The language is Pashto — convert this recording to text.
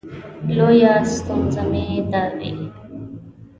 لویه ستونزه مې دا وي.